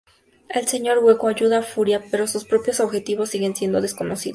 El Señor hueco ayuda a Furia, pero sus propios objetivos siguen siendo desconocidos.